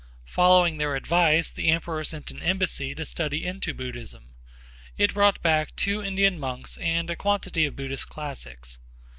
Following their advice the emperor sent an embassy to study into Buddhism. It brought back two Indian monks and a quantity of Buddhist classics.